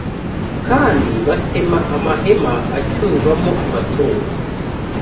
Kandi batema amahema acyurwamo amatungo